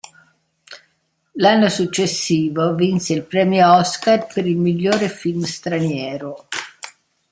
L'anno successivo, vinse il Premio Oscar per il miglior film straniero.